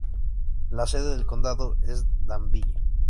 La sede del condado es Danville.